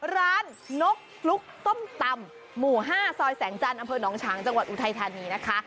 ร้านนกลุ๊กต้มตำหมู่๕ซอยแสงจันทร์อนฉางจังหวัดอูทัยธานีนะคะ